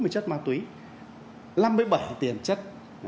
năm trăm bốn mươi chất ma túy năm mươi bảy tiền chất